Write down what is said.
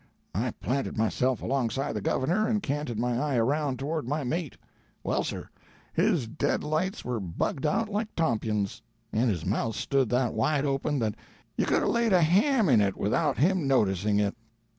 I planted myself alongside the governor, and canted my eye around toward my mate. Well, sir, his dead lights were bugged out like tompions; and his mouth stood that wide open that you could have laid a ham in it without him noticing it."